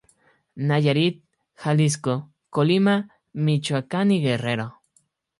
Nayarit, Jalisco, Colima, Michoacán y Guerrero.